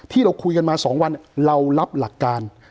ที่เราคุยกันมา๒วันเรารับหลักการ